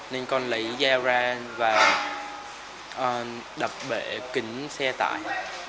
nên con lấy dao ra và đập bể kính xe tải